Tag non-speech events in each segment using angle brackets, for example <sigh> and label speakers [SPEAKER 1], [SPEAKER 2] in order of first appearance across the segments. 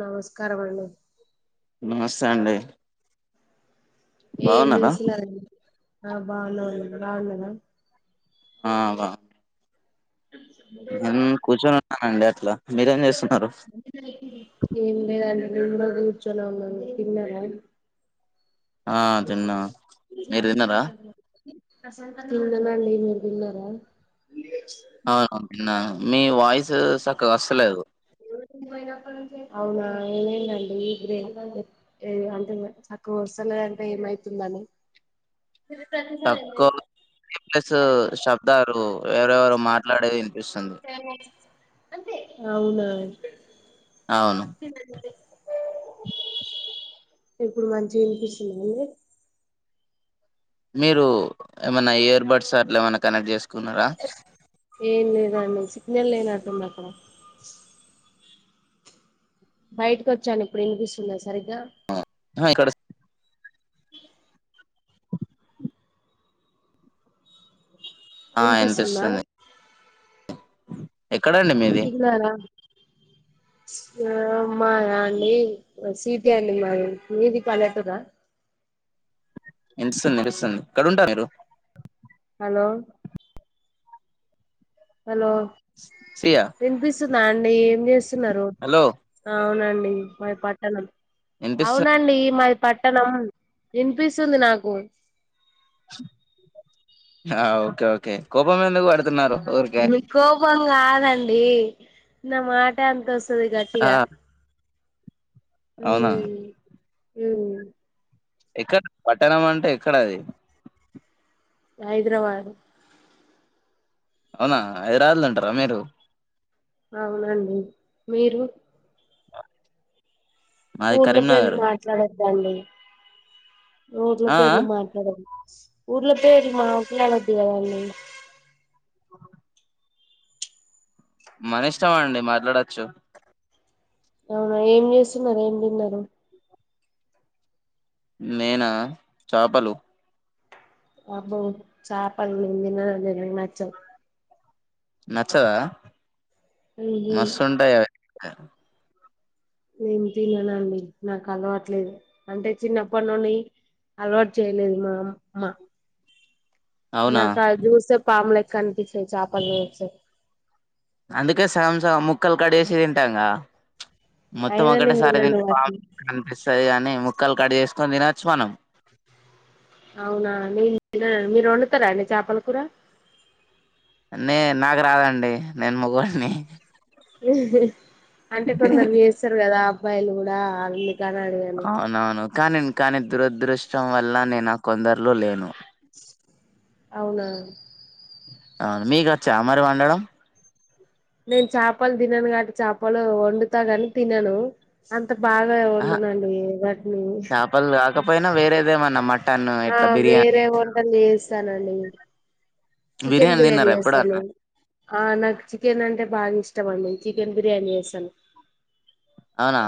[SPEAKER 1] నమస్కారం అండి
[SPEAKER 2] నమస్తే అండి
[SPEAKER 1] ఏం
[SPEAKER 2] బాగున్నారా
[SPEAKER 1] చేస్తున్నారు అండి ఆ బాగున్నం అండి బాగున్నారా.
[SPEAKER 2] ఆ బా నేను కూర్చునిఉన్నానండి అట్లా మీరేం చేస్తున్నారు
[SPEAKER 1] ఏం లేదు అండి ఇంకా కూర్చొనే ఉన్నాం తిన్నార
[SPEAKER 2] ఆ తిన్నా మీరు
[SPEAKER 1] తిన్నాను
[SPEAKER 2] తిన్నారా
[SPEAKER 1] అండి మీరు తిన్న రా
[SPEAKER 2] అవును తిన్నాను మీ వాయిస్ చక్కగా వస్తలేదు.
[SPEAKER 1] అ <unintelligible> అవునా ఏమై దండి అంటే చక్కగా వస్తా లేదా <inaudible> అంటే ఏమైతుంది అని
[SPEAKER 2] <unintelligible> శబ్దాలు ఎవరెవరు మాట్లాడేది వినిపిస్తుంది
[SPEAKER 1] అవునా.
[SPEAKER 2] అవును
[SPEAKER 1] తన్న <unintelligible> ఇప్పుడు మంచిగా వినిపిస్తుందండి.
[SPEAKER 2] మీరు ఏమైన్నా ఇయర్ బడ్స్ అట్లా ఏమైన్నా కనెక్ట్ చేసు
[SPEAKER 1] ఏం లేదు అండి సిగ్నల్ లేనట్టు ఉంది అక్కడ బైట్ కి వచ్చాను ఇప్పుడు వినిపిస్తుందా. సరిగ్గా
[SPEAKER 2] ఇక్కడ
[SPEAKER 1] అ <unintelligible>
[SPEAKER 2] ఆ
[SPEAKER 1] వినిపిస్తుందా
[SPEAKER 2] వినిపిస్తుంది ఎక్కడండి మీది
[SPEAKER 1] అ <unintelligible> ఆ మ అండి సీటి అండి మాది మీది పల్లెటూరా
[SPEAKER 2] వినిపిస్తుంది వినిపిస్తుంది ఏక్కడ ఉంటారూ మీరు
[SPEAKER 1] హలో హలో
[SPEAKER 2] సియా
[SPEAKER 1] వినిపిస్తుందా అండి ఏం చేస్తున్నారు
[SPEAKER 2] హలో
[SPEAKER 1] ఆ అవునం డి మాది పట్టణం
[SPEAKER 2] వినిపిస్తుంది
[SPEAKER 1] అవునండి మది పట్టణం వినిపిస్తుంది నాకు
[SPEAKER 2] ఆ ఓకే ఓకే కోపం ఎందుకు పడుతున్నారు ఊరికే
[SPEAKER 1] మీ కోపం కాదండి నా మాట అంతే వస్ వస్తది
[SPEAKER 2] ఆ
[SPEAKER 1] గట్టిగా
[SPEAKER 2] అవునా
[SPEAKER 1] హ్మ్ హ్మ్
[SPEAKER 2] ఎక్కడ పట్టణం అంటే ఎక్కడా అది
[SPEAKER 1] హైదరాబాద్
[SPEAKER 2] అవునా హైదరాబాదు లో ఉంటారా మీరు
[SPEAKER 1] అవునండి మీరు
[SPEAKER 2] మాది
[SPEAKER 1] ఊర్ళ పేర్లు
[SPEAKER 2] కరీంనగర్
[SPEAKER 1] మాట్లాడొద్దండి ఊర్ళ
[SPEAKER 2] ఆ ఆ
[SPEAKER 1] పేర్లు మాట్లాడొదు ఊర్ల పేర్లు మాట్లాడోదు కదండి
[SPEAKER 2] మన ఇష్టం అండి మాట్లాడొచ్చు
[SPEAKER 1] అవునా ఏం చేస్తున్నారు ఏం తిన్నారు
[SPEAKER 2] నేనా చాపలు
[SPEAKER 1] అబ్బో చేపలు నేను తిననండి నాకు నచ్చదు
[SPEAKER 2] నచ్చదా
[SPEAKER 1] ఉహు
[SPEAKER 2] మస్తుంటాయి అవి
[SPEAKER 1] నేను తిననండి నాకు అలవట్లేదు అంటే చిన్నప్పటి నుండి అలవాటు చేయలేదు మా అమ్మా
[SPEAKER 2] అవునా
[SPEAKER 1] నాకా అవి చూస్తే పాములు లెక్క అనిపిస్తాయి చేపల్ని చూస్తే
[SPEAKER 2] అందుకే సామ్ సగం ముక్కలు కట్ చేసి తింటాంగా మొత్తం
[SPEAKER 1] అయినా నేను
[SPEAKER 2] ఒకటేసారి
[SPEAKER 1] తినను
[SPEAKER 2] తి బా
[SPEAKER 1] వాటిని
[SPEAKER 2] కనిపిస్తది కాని ముక్కలు కట్ చేస్ తినొచ్చు మనం
[SPEAKER 1] అవునా నీ మీరు వండుతారా అండి చాపల కూర
[SPEAKER 2] నే నాకు రాదండి నేను మగొడిని
[SPEAKER 1] అంటే కొందరు చేస్తారు కదా అబ్బాయిలు కూడా అ అని అడిగాను
[SPEAKER 2] అవునవును కానీ ఇం కానీ దురదృష్టం వల్ల నేను ఆ కొందరులో లేను
[SPEAKER 1] అవునా
[SPEAKER 2] అవును మీకచ్చా మరి వండడం
[SPEAKER 1] నేను చాపలు తినను కాబట్టి చాపలు వండుతా కాని తినను అం అంత బాగా
[SPEAKER 2] ఆ
[SPEAKER 1] వండనండి వాటిని
[SPEAKER 2] చేపలు కాకపోయినా వేరేదేమన్నా మటన్
[SPEAKER 1] ఆ
[SPEAKER 2] ఇట్లా
[SPEAKER 1] వేరే
[SPEAKER 2] బిర్యానీ
[SPEAKER 1] వంటలు చేస్తానండి చికెన్ బిర్యానీ
[SPEAKER 2] తిన్నారా
[SPEAKER 1] చేస్తాను
[SPEAKER 2] ఎప్పుడన్నా
[SPEAKER 1] ఆ నాకు చికెన్ అంటే బాగా ఇష్టం అండి చి చికెన్ బిర్యానీ చేసను
[SPEAKER 2] అవునా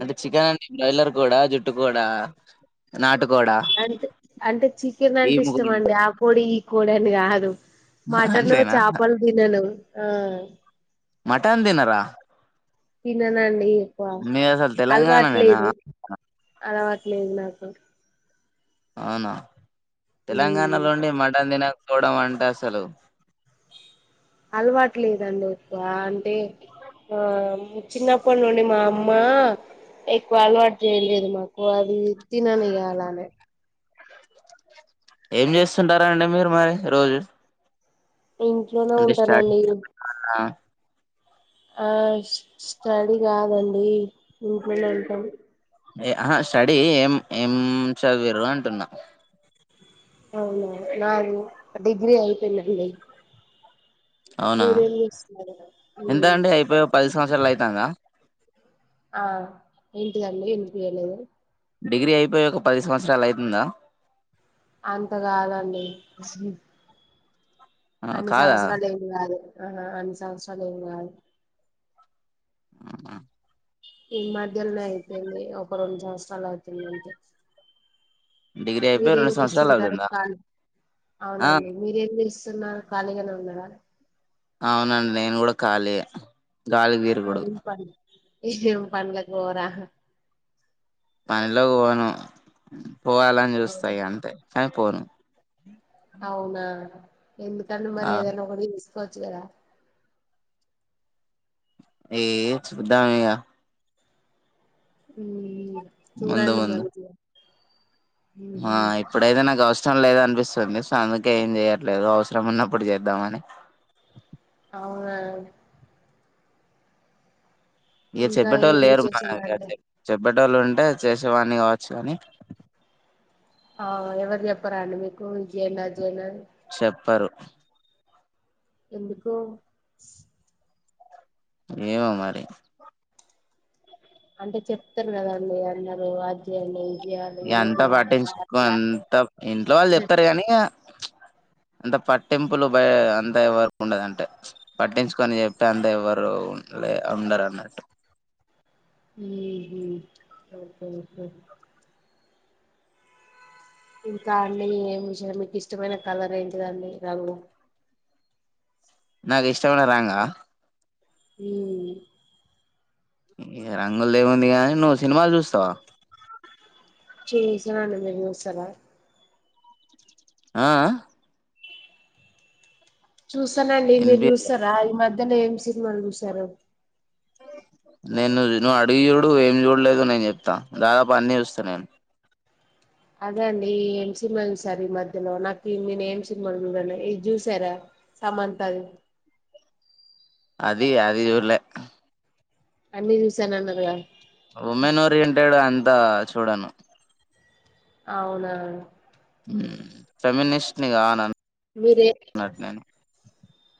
[SPEAKER 2] అంటే చికెన్ అంటే బాయిలర్ కోడా జుట్టు కోడా నాటు
[SPEAKER 1] అంటే అంటే చికెన్
[SPEAKER 2] ఈ
[SPEAKER 1] అంటే ఇష్టం అండి
[SPEAKER 2] ముగ్గురు
[SPEAKER 1] ఆ కోడి ఈ కోడి అని కాదు మటను
[SPEAKER 2] అంతేనా
[SPEAKER 1] చాపలు తినను ఆ
[SPEAKER 2] మటన్ తినర
[SPEAKER 1] తిననండి ఎక్కువ
[SPEAKER 2] తెలంగాణనేనా
[SPEAKER 1] అలవాట్లేదు అలావాట్లేదు నాకు
[SPEAKER 2] అవునా
[SPEAKER 1] ఉమ్.
[SPEAKER 2] తెలంగాణలో ఉండి మటన్ తినక డం అంటే అసలు
[SPEAKER 1] అలవాటు లేదండి ఎక్కువ అంటే ఆ చిన్నప్పడ్నుండి మా అమ్మా ఎక్కువ అలవాటు చేయలేదు మాకు అది తినను ఇగ అలానే
[SPEAKER 2] ఏం చేస్తుంటారండి మీరు మరి రోజు
[SPEAKER 1] ఇంట్లోనే
[SPEAKER 2] అంటే
[SPEAKER 1] ఉంటానండి
[SPEAKER 2] స్టడీ ఆ
[SPEAKER 1] ఆ స్టడీ కాదండి ఇంట్లోనే ఉంటాం
[SPEAKER 2] ఏ ఆహా స్టడీ ఏం ఏం చదివిరు అంటున్నా
[SPEAKER 1] అవునా నాది డిగ్రీ అయిపోయిదండి
[SPEAKER 2] అవునా
[SPEAKER 1] మీరేం చేస్తున్నారు
[SPEAKER 2] ఎంత
[SPEAKER 1] ఉం
[SPEAKER 2] అండి అయిపోయి ఒక పది సంవత్సరాలు అయితాందా
[SPEAKER 1] ఆ ఏంటిదండి ఇనిపియ్యలేదు
[SPEAKER 2] డిగ్రీ అయిపోయి ఒక పది సంవత్సరాలు అయితుందా
[SPEAKER 1] అంత కాదండి
[SPEAKER 2] ఆ!
[SPEAKER 1] అన్ని
[SPEAKER 2] కాదా
[SPEAKER 1] సంవత్సరాలు ఏమి కాదు ఆహా అన్ని సంవత్సరాలు ఏమి కాదు
[SPEAKER 2] అవునా
[SPEAKER 1] ఈ మధ్యలనే అయితుంది ఒక రెండు సంవత్సరాలు అవుతుంది అంతే
[SPEAKER 2] డిగ్రీ అయిపోయి
[SPEAKER 1] మీరేం
[SPEAKER 2] రెండు సంవత్సరాలు
[SPEAKER 1] చేస్తుంటారు
[SPEAKER 2] అవుతుందా
[SPEAKER 1] కా
[SPEAKER 2] ఆ
[SPEAKER 1] అవునండి మీరేం చేస్తు నారు కాలిగానే ఉన్నారా
[SPEAKER 2] అవునండి నేను కూడా ఖాలీ గాలి తిరుగుడు
[SPEAKER 1] ఏమ్ పనులకు పోరా
[SPEAKER 2] పనిలోకి పోను పోవాలని చూస్తా
[SPEAKER 1] అవును.
[SPEAKER 2] అంతే కానీ పోను
[SPEAKER 1] అవునా ఎందుకండి
[SPEAKER 2] ఆ
[SPEAKER 1] మరి ఏదైనా ఒకటి తీసుకోవచ్చు కదా
[SPEAKER 2] ఏం చూద్దాం ఇగ
[SPEAKER 1] ఉం
[SPEAKER 2] ముందు
[SPEAKER 1] చూడండి
[SPEAKER 2] ముందు
[SPEAKER 1] మరైతే ఇగ
[SPEAKER 2] ఆ ఇప్పుడైనా నాకు అవస ఇష్టం లేదు అనిపిస్తుంది సో అందుకే ఏం చెయట్లేదు అవసరం ఉన్నప్పుడు చేద్దామని
[SPEAKER 1] అవునా
[SPEAKER 2] ఇక
[SPEAKER 1] ఇంకా
[SPEAKER 2] చెప్పోటోల్లు
[SPEAKER 1] ఏం
[SPEAKER 2] లేరు మా చె
[SPEAKER 1] విశేషాలండి
[SPEAKER 2] <unintelligible> చెప్పెటోల్లు ఉంటే చేసేవాన్ని కావచ్చు కానీ
[SPEAKER 1] ఆ ఎవరు చెప్పరా అండి మీకు ఇది చేయండి అది చేయండి అని
[SPEAKER 2] చెప్పరు
[SPEAKER 1] ఎందుకో
[SPEAKER 2] ఏమో మరి
[SPEAKER 1] అంటే చెప్తారు కదండీ అందరు అది చేయండి ఇది చేయాలి
[SPEAKER 2] ఇగ అంత
[SPEAKER 1] ఇంట్లో అట్లా
[SPEAKER 2] పట్టించుకో
[SPEAKER 1] అట్లా
[SPEAKER 2] అంత ఇంట్లో వాళ్ళు చెప్తారు కానీ ఇగ అంత పట్టింపులు బ అంత ఎవరకు ఉండద అంటే పట్టించుకొని చెప్పి అంత ఎవరు ఉ లే ఉండరన్నటు
[SPEAKER 1] హూ హమ్ ఓకే ఓకే ఇంకా అండి ఏమి విష మీకు ఇష్టమైన కలర్ ఏంటిదండి రంగు
[SPEAKER 2] నాకు ఇష్టమయిన రంగ
[SPEAKER 1] ఉం
[SPEAKER 2] ఇగ రంగుల్ది ఏముంది గాని నువ్వు సినిమాలు చూస్తావా
[SPEAKER 1] చేసిన అని మీరు చూస్తారా
[SPEAKER 2] ఆ ఆ
[SPEAKER 1] చూసానండి మీరు
[SPEAKER 2] ఎన్బి
[SPEAKER 1] చూస్తారా ఈ మధ్యనే ఏం సినిమాలు చూసారు
[SPEAKER 2] నేను నువ్వు అడిగు చూడు ఏం చూడలేదో నేను చెప్తా దాదాపు అన్నీ చూస్తా నేను
[SPEAKER 1] అదే అండి ఏం సినిమా చూసారు ఈ మధ్యలో నాకు నేను ఏం సినిమా చూడలే ఇది చూసారా సమంతది
[SPEAKER 2] అది అది చూడలే
[SPEAKER 1] అన్ని చూసాను అన్నారు గా
[SPEAKER 2] ఉమెన్ ఓరియంటెడ్ అంతా చూడను
[SPEAKER 1] అవునా
[SPEAKER 2] ఫెమ్యనిస్ట్ నిగా నా
[SPEAKER 1] మీరే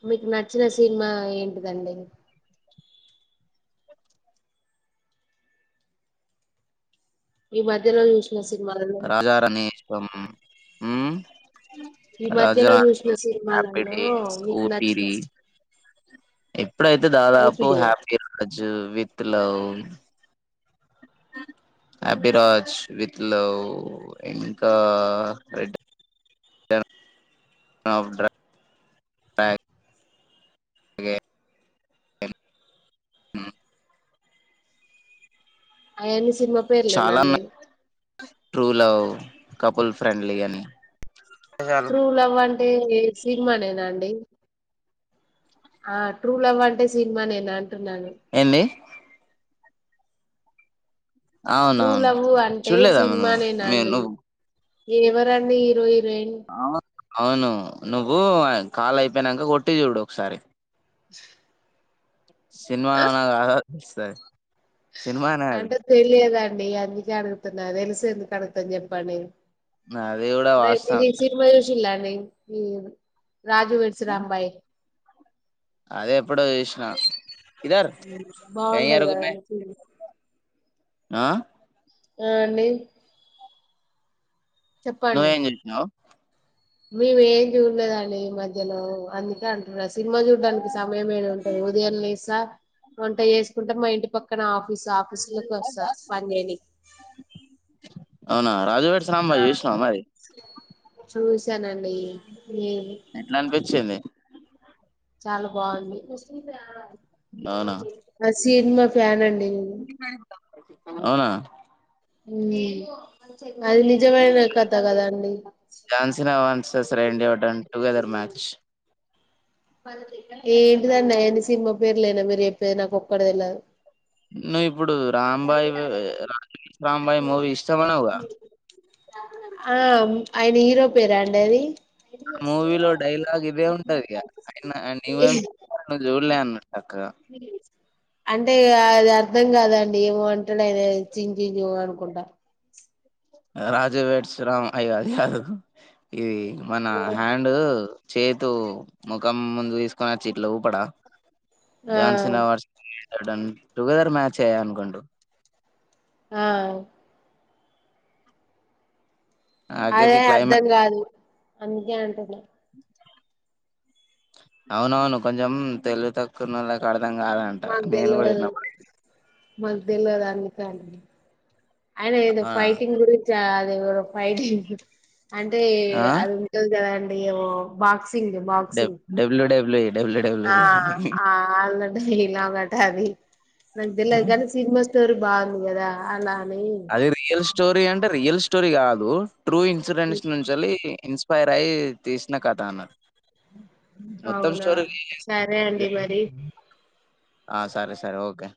[SPEAKER 1] మీకు నచ్చిన సినిమా ఏంటిదండి ఈ మధ్యలో చూసిన సినిమాలు
[SPEAKER 2] రాజారాణి మ్మ్
[SPEAKER 1] ఈ
[SPEAKER 2] రాజ
[SPEAKER 1] మధ్యలో చూసిన
[SPEAKER 2] హపీ
[SPEAKER 1] సినిమాలలో
[SPEAKER 2] డేస్
[SPEAKER 1] నీకు నచ్చిన
[SPEAKER 2] ఊపిరి ఎప్పుడైతే దాదాపు
[SPEAKER 1] ఓపిడి
[SPEAKER 2] హ్యాపీ రాజ్ విత్ లవ్ హభిరాజ్ విత్ లవ్ లో ఇంకా రెడ్ ఫ్ే
[SPEAKER 1] అయాన్ని సినిమా
[SPEAKER 2] చాలా
[SPEAKER 1] పేర్లేనాండి
[SPEAKER 2] ఉన్నాయి ట్రూ లవ్ కపుల్ ఫ్రెండ్లీ అని నిజాలు
[SPEAKER 1] ట్రూ లవ్ అంటే సినిమానేనా అండి ఆ ట్రూ లవ్ అంటే సినిమా నేనా అంటున్నాను
[SPEAKER 2] ఏంది
[SPEAKER 1] ట్రూ
[SPEAKER 2] అవునవును
[SPEAKER 1] లవ్ అంటే
[SPEAKER 2] చూడలేదామ
[SPEAKER 1] సినిమా
[SPEAKER 2] నువ్వు మీ
[SPEAKER 1] నేనాండి
[SPEAKER 2] నువ్వు
[SPEAKER 1] ఎవరండి హీరో హీరోయిన్
[SPEAKER 2] అవును అవును నువ్వు కాల్ అయిపోయినాక కొట్టి చూడు ఒకసారి
[SPEAKER 1] ఆ?
[SPEAKER 2] సినిమానో కాదో వస్తది
[SPEAKER 1] అంటే తెలియదండి అందుకే అడుగుతున్నా తెలిసు ఎందుకు అడుగుతాను చెప్పండి
[SPEAKER 2] అది కూడా
[SPEAKER 1] న ఇది
[SPEAKER 2] వాస్తవమే
[SPEAKER 1] శర్మయషిల్లా అండి ఈ రాజు వెర్శ రాంబాయ
[SPEAKER 2] అదే ఎప్పుడో చూసినా
[SPEAKER 1] బాగుంటది కదండి సినిమా.
[SPEAKER 2] ఆ
[SPEAKER 1] ఆ అండి
[SPEAKER 2] నువ్వు ఏం చెప్పినావ్
[SPEAKER 1] మేము ఏం చూడలేదండి ఈ మధ్యలో అందుకే అంటున్నా సినిమా చూడ్డానికి సమయం ఏది ఉంటది ఉదయం లేస్త వంట చేసుకుంటే మా ఇంటి పక్కన ఆఫీస్ ఆఫ మసు వస్తా పన్నేలి
[SPEAKER 2] అవునా రాజువాట సాంబా చూసినావా మరి
[SPEAKER 1] చూసానండి మ్మ్
[SPEAKER 2] చింది
[SPEAKER 1] చాలా బాగుంది
[SPEAKER 2] అవునా
[SPEAKER 1] ఆ సినిమా ఫ్యాన్ అండి
[SPEAKER 2] అవునా
[SPEAKER 1] అది నిజమైన కథ కదాండి
[SPEAKER 2] ాన్సినన్సస్ రెండిటండ్ టుగెదర్ మ్యాచ్స్
[SPEAKER 1] ఏంటిదండి ఆయన సినిమా పేరు లేనా మీరు చెప్పేది నాకు ఒక్కడ తెళ్లదు
[SPEAKER 2] నువ్వు ఇప్పుడు రాంబాయి రాంబాయి మూవీ ఇస్తామన్నా వు గ
[SPEAKER 1] ఆ ఆయన హీరో పేరా అండి అది
[SPEAKER 2] ఆ మూవీలో డైలాగ్ ఇదే ఉంటది ఆయన న్్వేం ను చూడలే అన్నట్టుక్క
[SPEAKER 1] ఇ అంటే అది అర్ధం కాదండి ఏమో అంటలే అ చిం చిజ అనుకుంటా
[SPEAKER 2] రాజవేడ్శ రామ్ అయ అది అదు ఇది మన హ్యాండ్ డు చేతు ముఖం ముందు తీసుకుని వచ్చట్ల ఊపడ
[SPEAKER 1] ఆ
[SPEAKER 2] జాన్సన్ అవస్ టుగెదర్ మ్యాచ్ అయ్య అనుకోండు
[SPEAKER 1] ఆ అదే
[SPEAKER 2] ఆఖరికి క్లైమాక్స్
[SPEAKER 1] అర్ధం కాదు అందుకే అంటుంది
[SPEAKER 2] అవునవును కొంచెం తెలుగు తక్కువనలా కాడ అం కాదంటారు
[SPEAKER 1] మాకు
[SPEAKER 2] నేను కూడా
[SPEAKER 1] తెల్వదు
[SPEAKER 2] ఎన్నప్పుడు
[SPEAKER 1] మాకు తెలియదు అందుకని అయిన ఏదో ఫైటింగ్ గురించ ఫైటింగ్ అంటే
[SPEAKER 2] ఆ
[SPEAKER 1] అది ఉంటుంది కదండి ఏో బాక్స్ సింగ్ మాగ్
[SPEAKER 2] డబ్
[SPEAKER 1] సింగ్
[SPEAKER 2] డబ్ల్యూ డబ్ల్యూ ఈ డబ్ల్యూ డబ్ల్యూ
[SPEAKER 1] ఆ
[SPEAKER 2] ఈ
[SPEAKER 1] అ అరన ద్ ఇలా గట అది నాకు తెలిలదు కానీ సినిమా స్టోరీ బాగుంది కదా అలా అని
[SPEAKER 2] అది రియల్ స్టోరీ అంటే రియల్ స్టోరీ కాదు ట్రూ ఇన్సూరెన్స్ నుంచి ఎస్పైైర్ అయి్యి తీసినా కదా అన్నా మొత్తం
[SPEAKER 1] అవునా
[SPEAKER 2] స్టోర ఈనె
[SPEAKER 1] సరే అండి మరి
[SPEAKER 2] ఆ సరే సరే ఓకే